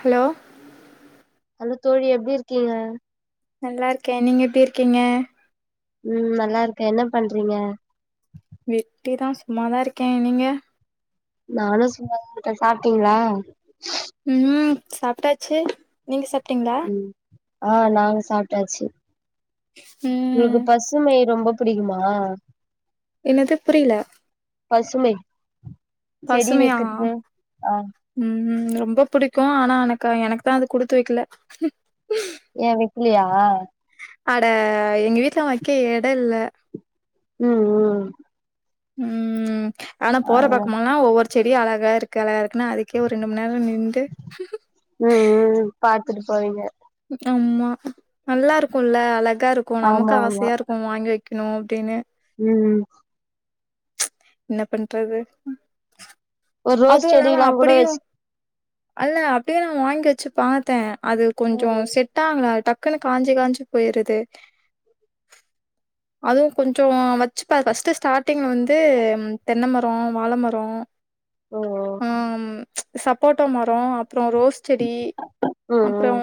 Hello hello தோழி எப்டி இருக்கீங்க நல்லா இருக்கே நீங்க எப்டி இருக்கீங்க ம் நல்லா இருக்கே என்ன பண்றீங்க வெட்டி தா சும்மாதா இருக்கே நீங்க நானோ சும்மாதா இருக்கே சாப்பிட்டீங்களா ம் சாப்ட்டாச்சு நீங்க சாப் ப்டீங்களா ம் ஆ நாங்க சாப்ட்டாச்சு எனக்கு ம் பசுமை ரொம்ப புடிக்குமா என்னது புரியல பசுமை. செடி பசுமையா வெக்கறது ஆ உம் உம். ரொம்ப புடிக்கு ஆனா எனக்கு எனக்கு தா அது குடுத்து வெக்கல. இல்லியா. அட எங்க வீட்டுல வெக்க எட இல்ல. உஹ்ம் உஹ்ம். உம் ம ஆனா போற பாக்கமெல்லா ஒவ்வொரு. செடி அழகா இருக்குல னா அதுக்கே ஒரு ரெண்டு மணி நேரோ நின்டு. ட்டு போவீங்க. ஆமா நல்லா இருக்குல்ல அழக் கா இருக்கு ஆமா நமக்கு ஆசையா இருக்கு வாங்கி வைக் ணோ அப்டின்னு. உம்ம். என்ன பண்றது. ஒரு ரோஸ் அதுவு இல்லாம செடில்லா கூட அப்படியு வச் அல்ல அப்டியே வாங்கி வச்சு பாத்தே அது கொஞ்சோ ம் செட்டாகள டக். குனு காஞ்சு காஞ்சு போயிருது. அதுவு கொஞ்சோ வச்சு பா ஃபஸ்ட் ஸ்டாட்டிங்ல வந்து. ம் தென்ன மரோ வாழ மரோ ம் ஓ ஓ உஹம். சப்போட்டா மரோ அப் புறோ ரோஸ் செடி ம் அப்புறோ ம்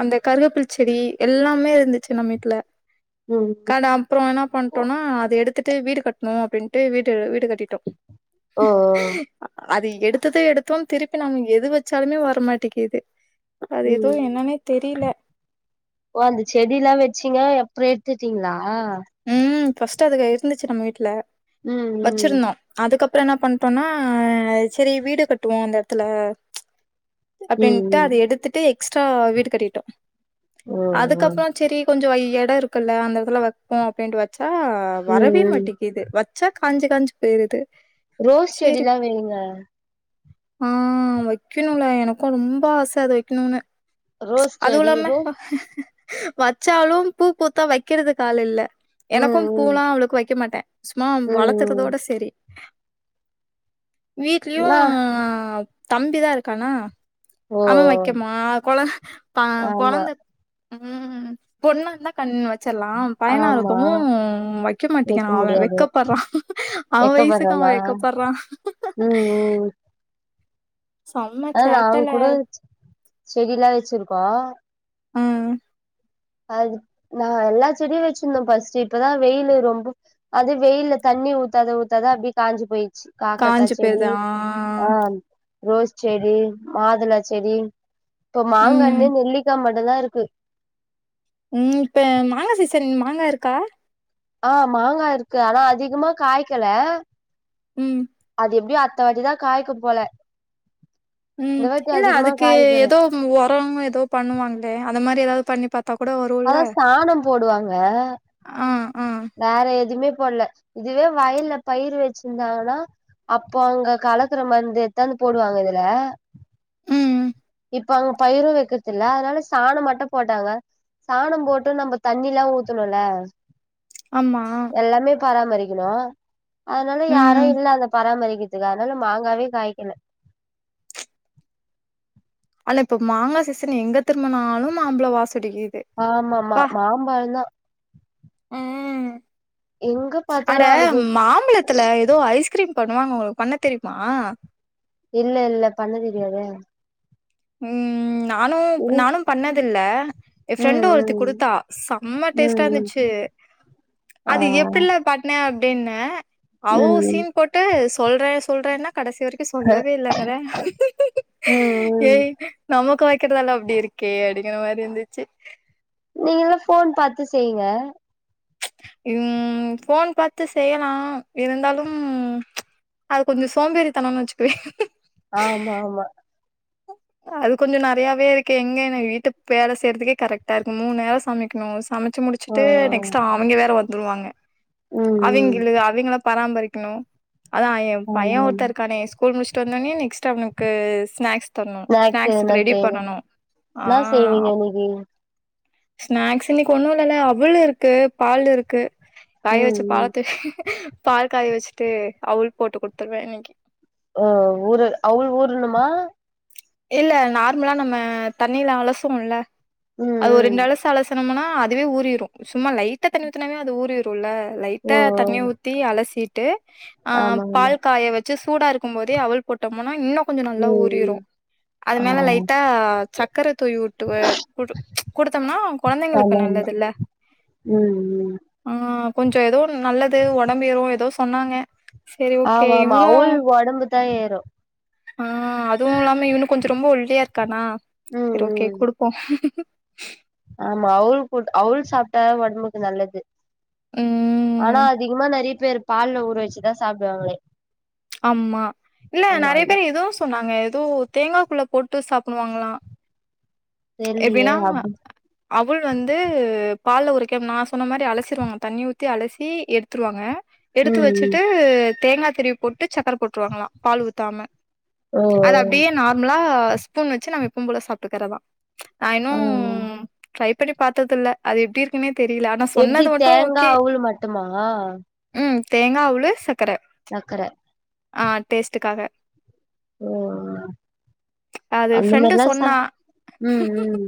அந்த கருவேப்பளச்செடி எல்லாமே இருந்துச்சு நம்ம வீட்ல. ம் ம் கான அப்புறோ என்ன ஓ பண்ட்டோனா அத எடுத் த்துட்டு வீடு கட்டணு அப்டின்ட்டு வீட் ட்டு வீடு கட் டிட்டோ ஓ அது எடுத்தது எடுத்தோ திருப்பி நம்ம எது வச்சாலுமே வரமாட்டீக்குது. உம் ஓ அந்த செடில்லா வச்சீங்க. அப்றோ எடுத்துட்டீங்களா. ஆஹ் ஃபஸ்ட் அதுங்க இருந்துச்சு நம்ம வீட்ல ம் ம் வச்சிருந்தோ அதுக்கப் அப்புறோ என்ன பண்ட்டோம்னா, ஆ சரி வீடு கட்டுவோ அந்த எடத்துல. ம் அப்டின்ட்டு ம் அது எடுத்துட்டு. ஸ்டா வீடு கட்டிகிட்டோ ம் ம் அதுக்கப்றோ செரி கொஞ்சொ வை எடோ இருக்குல்ல அந்த இதுல வர்க் ப பேண்டு வச் ஆ ம் வரவே ம் மாட்டிக்கிது வத் ச கொஞ்ச கொஞ்ச் போயிருது ரோஸ் சரி செடில்லா வெய்ங்க ஆ வெக்கணுல்ல எனக்கு ரொம்ப ஆச அத வெக்கணுன்னு ரோஸ் அதுவு செடி இல்லாம ரோ வச்சாலு பூ பூத்தா வெக்கிறதுக்கு ஆளில்ல எனக்கு ம் ம் பூவல்லா அவ்ளோக்கு வெக்க மாட்டே சும்மா ம் ம் வளக்கறதோட செரி வீட்லயு ஆ நா தம்பி தா இருக்கானா ஓ அவ வெக்க மா கொழ பாவ் ஆமா கொழந்த ம் ம் ம் பொன் [unintelligible] கண் [unintelligible] ச்சிர்லா பயனா ஆமா கும் வெக்க வைக்க மாட்டிங்கறா அவ முடியாது வெக்கப்பட்றா அவ வயசுக்கு அவ வெக்கப்படுறனா வெக்கப்பட்றா அதுலா அவங்கூட செடில்லா வெச்சிருக்கோ ம் அதுக் நா எல்லா செடியு வெச்சிருந்தே ஃபஸ்ட்டு இப்ப தா வெயிலு ரொம்ப அது வெயில்ல தண்ணி ஊத்தாத ஊத்தாத அப்டியே காஞ்சு போயி காஞ்சு போயிருது ஆ ரோஸ் செடி மாதுள செடி ப்போ ம் மாங்கன்னு நெல்லிக்கா மட் நல்லா இருக்கு ம் இப்ப மாங்கா சீசன் மாங்கா இருக்கா ஆ மாங்கா இருக்கு ஆனா அதிகமா காய்க்கல ம் அது எப்டியு அத் த வாட்டி தா காய்க்கு போல ம் இந்த வாட்டி இல்ல அதிகமா அதுக்கு ஏ, காய்க்கணு எதோ ம் ஒரம் எதோ பண்ணுவாங்களே அந்த மாரி எதாவது பண்ணி பாத் அதா சாணம் போடுவாங்க ஆ ஆ வேற எதும்மே போடல இதுவே வயல்ல பயிர் வெச்சிருந்தாங்கனா அப்போ அங்க கலக்கிற மருந்து எத்தாந்து போடுவாங்க இதுல ம் இப்ப அங்க பயிரு வெக்கற்தில்ல அதனால சாணம் மட்டும் போட்டாங்க சாணோ போட்டு நம்ம தண்ணில்லா ஊத்தணுல்ல ஆமா எல்லாமே பராமரி [unintelligible] அதனால ம் யாரும் இல்ல அத பராமரிக் இதனால மாங்காவே காய்க்கல ஆன இப்ப மாங்காய சீசன் எங்க திரும்பினாலும் மாம்பழ வாச ஆ ஆமாமா மாம்பழந்தா எங்க அட பாத்தாலு அன்னைக்கு மாம்பலத்துல ஏதோ ஐஸ்கிரீம் பண்ணுவாங்க உங்களுக்கு பண்ண தெரியுமா இல்ல இல்ல பண்ண தெரியாதே உம் நானும் இல் நானும் பண்ணது இல்ல என் ஃப்ரெண்டு ஒருத்தி ம் கொடுத்தா செம்ம ம் ம் டேஸ்ட்டா ம் இருந்துச்சு ஆ அது எப்படில பாண்ணே அப்படின்னா அவ்ளோ ம் சீன் போட்டு சொல்றேன் சொல்றேன்னா கடைசி வரைக்கு சொல்லவே இல்லைங்கறே ம் ம் ஏய் நமக்கு வ இருக்கிறதொலாம் அப்படி இருக்கே அடிங்கிற மாதிரி இருந்துச்சு நீங்கல்லா போன் பாத்து செய்ங்க உம் போன் பார்த்து செய்யலாம் இருந்தாலும் அது கொஞ்ச சோம்பேறித்தனம்னு வச்சுக்குவே ஆமா ஆமா அது கொஞ்சம் நிறையாவே இருக்கு எங்க என் வீட்டு வேலை செய்யறதுக்கே கரெக்டா இருக்குக்கும் மூணு நேரம் சமைக்கணும் சமைச் வச்ச ஆ முடிச்சிட்டு நெக்ஸ்ட் அவங்க வேற வந்துடுவாங்க ம் அவங்க ம் இல்ல அவங்களம் பராமரிக்கணும் அதா என் ஆமா பையன் ஆமா ஒருத்த இருக்கானே ஸ்கூல் முடிச்சுட்டு வந்தோடனே நெக்ஸ்ட் அவனுக் [unintelligible] ஸ்ந்ஸ் ஸ்நாக்ஸ் என்ன செய்வே என்ன செய்வீங்க ஆ இன்னைக்கு ஸ்நாக்ஸ் இன் ஒண்ணு இல்லல அவளு இருக்கு பால் இருக்கு காய ம் வச்சு ம் [unintelligible] பால் காய வச்சுட்டு அவள் போட்டு குடுத்துருவே இன்னைக்கு ஊரு அவுள் ஊருணுமா இல்ல நார்மலா நம்ம தண்ணில அலசுவோம்ல ம் அது ம் [unintelligible] த்துனம்னா அதுவே ஊறிரும் சும்மா லைட்டா தண்ணி ஊத்தினாவே அது ஊரிரு ல ஓ லைட்டா ஓ தண்ணி ஊத்தி அலசி ட்டு ஆ ஆமா ஆமா பால் காய வச்சு சூடா இருக்கும் போதே அவுள் போட்டோம்னா இன்னு கொஞ்சோ நல்லா ம் ஊறிரு ம் அது ஆ மேல லைட்டா சக்கர தூவி வுட்டு குடுத்தம்னா கொழந்தைங்களுக்கு ஆமா ஆமா நல்லதுல்ல ம் ம் அ ஆ கொஞ்சோ எதோ நல்லது ஒடம்பு ஏறு எதோ சொன்னாங்க சரி ஓகே ஆமா ஆமா இவனு அவள் ஒடம்புத்தா ஏறு ஆ அதுவுமில்லாம இவனு கொஞ்சோ ரொம்ப ஒள்ளியா இருக்கானா ம் சரி ஓகே ம் குடுப்போ ஆமா அவுள் அவுள் சாப்ட்டா ஒடம்புக்கு நல்லது ம் ஆனா அதிகமா நிறயா பேர் பால்ல ஊர வச்சுதா சாப்டுவாங்ளே ஆமா இல்ல நிறைய பேர் எதோ சொன்னாங்க ஒ தேங்காகுள்ள போட்டு சாப்டுவாங்ளா தெர்லியே எப்டின்னா அப்டி அவுல் வந்து பால்ல ஊர வெக்க நா சொன்ன மாரி அலசிடுவாங்க தண்ணி ஊத்தி அலசி எடுத்துருவாங்க எடுத்து ம் ம் வெச்சுட்டு தேங்காதிருவி போட் ட்டு சக்கர போட்டுருவாங்ளா பால் ஊத்தாம ஓ அது அப்டியே நார்மலா ஸ் ஸ்பூன் வெச்சு நம்ம எப்பும்போல சாப்பிட்டுகறதா நா ஓ ஆ இன்னும் ட்ரை அப்படி பாத்ததுல்ல அது எப்டி இருக்குனே எப்டி தேங்கா அவுல் மட்டுமா ம் தேங்கா அவுளு சக்கர நக்கற ஆ டேஸ்ட்டுகாக ம் அது அந்த ஃப்ரெண்டு மேர்ல்லா ச சொன்னா ம் ம்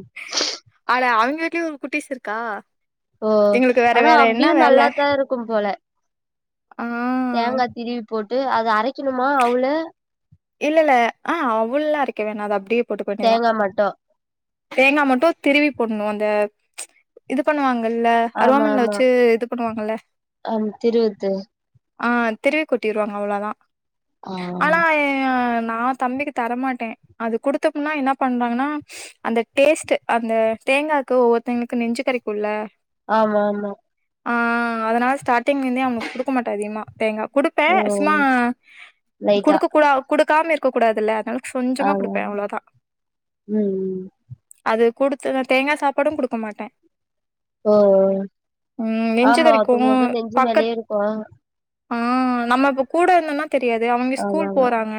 அட அவங்க வீட்லயு ஒரு குட்டிஸ் இருக்கா ஓ எங்களுக்கு வேற ஆனா வேற என்ன அப்பிடியு நல்லாத்தா இருக்கும்போல ஆஹ் தேங்கா திரிவி போட்டு அத அரக்கிணுமா அவுள இல்ல ல்ல ஆஹ் அவு ல்லா அரைக்க வேணா அத அப்டியே போட்டுக்க வேண்டியதா. தேங்கா மட்டு தேங்கா மட்டு திரிவி போடுணு அந்த இது பண்ணுவாங் கள்ள ஆமா அருவாமன்ல ஆமா வச்சு இது பண்ணுவாங்கள ஆம் திருவுத்து ஆஹ் திரிவி கொட்டிருவாங்க அவ்ளோதா ஆஹ் ஆஹ் நா தம்பிக்கு தரமாட்டே அது குடுத்தம்னா என்ன பண்றாங்கனா அந்த டேஸ்ட்டு அந்த தேங்காக்கு ஒவ்வொருத்தங்ளுக்கு நெஞ்சு கறிக்குள்ள ஆமா ஆமா ஆஹ் அதனால ஸ்டாட்டிங்ல ருந்தே அவ்னுக்கு குடுக்க மாட்டே அதிகமா தேங்க குடுப்பே ஓ சும்மா லைட்டா குடுக்க கூடா குடுக்காம இருக்க கூடாதுல அதுனாலதா கொஞ்சமா ஆமா ஆமா குடுப்பே அவ்ளோதா ம் ம் அது குடுத்துதா தேங்கா சாப்பாடும் குடுக்க மாட்டே ஓ ம் நெஞ்சு ஆமா கறிக்கு [inaudible] நெஞ்சு மேலயா இருக்குமா ஆஹ் நம்ம இப்ப கூட இருந்தோனா தெரியாது அவங்க ஸ்கூல் ஆமாமா போறாங்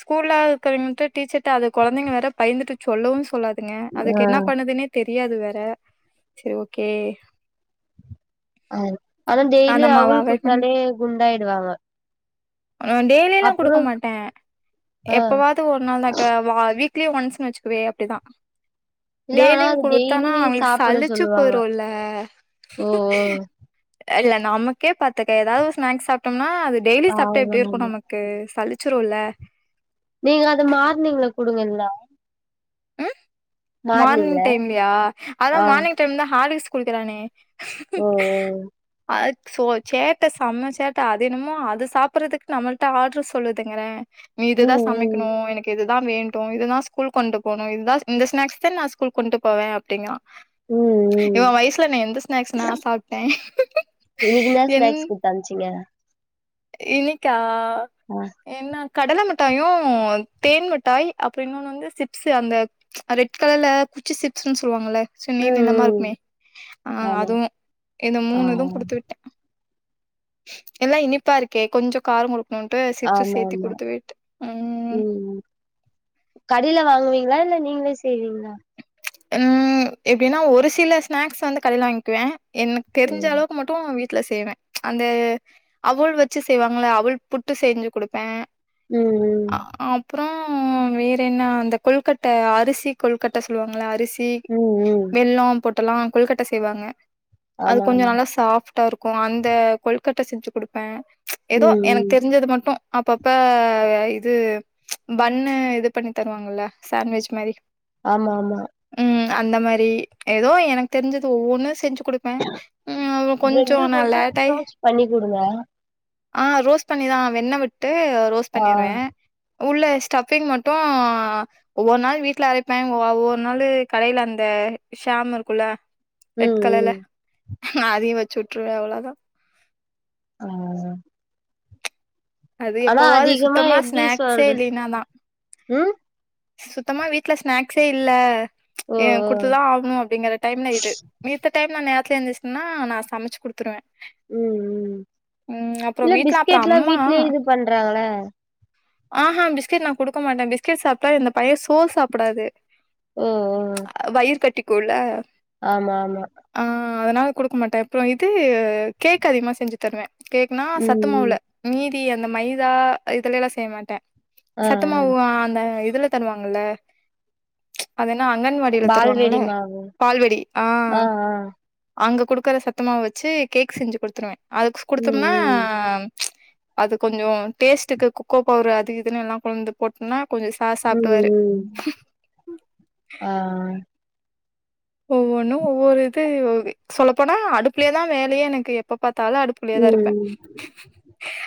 ஸ்கூல்லா இருக்கவங்கட்ட டீச்சர்ட்ட அது கொழந்தங்க வேற பயந்துட்டு சொல்லவு சொல்லாது ங்க ஆ அதுக்கு என்னா பண்ணதுனே தெரி தெரியாது வேற சேர் ஓகே ஆா ஆனா ஆ டெய்லியு நம்ம அவ அவள் அவாய்ட் குத்தாலே குண்டாயிடுவாங்க டெய்லி ல்லா அப்புறோ குடுக்க மாட் ட ஆ எப்பவாது ஒரு நாள் தா ப்ப வா வீக்லி ஒன்ஸ்னு வச்சுக்கவே அப்டிதா இல்ல ஆனா டெய்லியு அது குடுத்தனா டெய்லி அவுங்ளுக்கு சாப்பிட சலிச்சு சொல்லுவாங்க போயிருல்ல ஓ ஓ அல்ல நமக்கே பாத்துக்க எதாது ஸ்நாக் சாப்ட்டோ ன்னா அதுடெய்லி சாப்ட்டா ஆமா எப்டி ருக்கு ஆமா நமக்கு சலி ச்சுருல்ல நீங்க அது மார்னிங்ல குடுங்க இல்னா உம் மார்னிங் டைம்ல யா அதா ஆ மார்னிங் டைம் தா ஹார்லிக்ஸ் குடிக்கறானே ஓ ஓ அச் சோ சேட்ட செம்ம சேட்ட அதென்னமோ அது சாப்பிடறதுக்கு நம்மள்ட்ட ஆர்டர் சொல்லுதுங்கறேன் நீ ம் இதுதான் ம் சமைக்கணு எனக்கு இது தா வேண்டு இதுதா ஸ்கூல்க் கொண்டு போனு இதுதா இந்த ஸ்நாக்ஸ் ச நா ஸ்கூல்க் கொண்டு போவே அப்டினா ம் இவ ம் வயசுல நா எந்த ஸ்நாக்ஸ் நா சாப்ட்டே இன்னைக்கு என்ன என் ஸ்நாக்ஸ் குடுத்து அனுப்ச்சீங்க இன்னிக்கா ஆ என்னா கடலை மிட்டாயு தேன் மிட்டாய் அப்புற இன்னொன்னு வந்து சிப்ஸு அந்த ப்ச் ரெட் ட் கலல்ல குச்சி சிப்ஸ்ன் சொல்லுவாங்கல்ல சு ம் நீல நிலமா இருக்மே ம் ஆ ஆமா அதுவு இத ஆ மூணு இது குடுத்து விட்டே எல்லா இனிப்பா இருக்கே கொஞ்சோ காரங்குடு ஆமா ஆமா ம் கடைல வாங்வீங்ளா இல்ல நீங்ளே செய்வீங்ளா ம் எப்டின்னா ஒரு சில ஸ்நாக்ஸ் வந்து கடைல வாங்க்வே. எனக் தெரிஞ்ச ம் அளவுக்கு மட்டு வீட் ட்ல செய்வே அந்த அவுல் வெச்சு செய்வாங்கள அவுள் புட்டு செஞ்சு குடுப்பே ம் ம் ம் வேற என்ன அந்த கொல்கட்ட அரிசி கொல்கட்ட சொல்லுவாங்கள்ல அ ரிசி ம் ம் வெல்லோ போட் ட்டல்லா கொல்கட்ட செய்வாங்க அது ஆமா கொஞ்சோ ஆமா நல்லா சாஃப் ட்டாருக்கு அந்த கொல்கட்ட செஞ்சு குடுப்பே எதோ ம் எனக் ம் தெரிஞ்சது மட்டு அப்பப்ப இது ப்ச் பண்ணு இது பண்ணி தருவாங்கல்ல சேண்ட்விச் மாரி ஆமா ஆமா ம் அந்த மாரி எதோ எனக் தெரிஞ்சது ஒவ்வொன்னு செஞ்சுக் குடுப்பே உ அவ கொஞ்சோ பிரெட்டு நா கூட லேட்டாயி டோஸ்ட் பண்ணி குடுங்க ஆ ரோஸ் பண்ணிதா வெண்ண விட் டு ரோஸ் ஆ பண்ணிருவே உள்ள ஸ்டஃபிங் மட்டு ஒவ்வொர் நாள் வீட்ல அரைப்பே ஒவ்வ வ்வோ நாலு கடையில அந்த ஷேம் இருக்குல்ல ம் ம் ம் நா அதையு வெச்சு உட்ருவே அவ்ளதா ஆ அது ஆனா எப்போவாது அதிகமா சுத்தமா எப்டி ஸ்நாக்ஸே சொல்ற இல்லீனாதா ம் சுத்தமா வீட்ல ஸ்நாக்ஸே இல்ல ஓ ஓ ஏ குடுத்துதா ஆகணு அப்டிங்கற டைம்ல இது மித்த டைம் நானு [unintelligible] ந்துச்சுன்னா நான் சமைச்சு குடுத்துருவேன் ம் ம் அப்றோ இல்ல வீட்ல அப்றோ பிஸ்கெட்லா அம்மா வீட்டிலேயே இது பண்றாங்கள ஆஹான் பிஸ்கட் நான் கொடுக்க மாட்ட பிஸ்கட் சாப்ட் [unintelligible] இந்த பையன் சோற் சாப்டாது ஓஓ அ [unintelligible] ஆமா ஆமா ஆ அதனால கொடுக்க மாட்டேன் அப்புறம் இது கேக் அதிகமா செஞ்சு தருவேன் கேக்குனா ம் ம் சத்துமாவுல நீ [unintelligible] அந்த மைதா இதுல எல்லா செய்ய மாட்டேன் ஆ சத்தமா ஆ உ அந்த இது இதுல தருவாங்கல அதன ஆ அங்கன்வாடியில தருவாங்கள பால்வெடி மாவு பால்வெடி ஆ அங்க கொடுக்குற சத்தமாவ வச்சு கேக் செஞ்சு கொடுத்துருவேன் அதுக்குஸ் ம் குடுத்தோம்னா ம் ப்ச் அது கொஞ்சோ டேஸ்டுக்கு கொகொ பவுரு அது இதுன்னு எல்லாம் கொழந்து போட்டோனா கொஞ்ச ம் ம் ம் ஆ ஒவ்வொன்னு ஒவ்வொரு இது சொல்லப்போனா அடுப்புலயே தான் வேலையே எனக்கு எப்பபா எப்ப பாத்தாலு அடுப்புள்ளய தான் இருப்பேன் ம்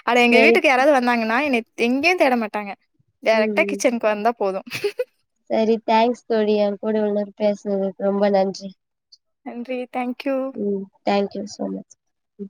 ஆனா எங்க சரி வீட்டுக்கு யாராவது வந்தாங்கன்னா என்னை எங்கயும் தேட மாட்டாங்க டேரக்டா ம் கிச்சன்க்கு வந்தா போதும் சரி தேங்க்ஸ் தோழி என் கூட இவ்ளோ நேரம் பேசுனதுக்கு ரொம்ப நன்றி நன்றி தேங்க்யூ ம் தேங்க் யூ சோ மச் ம்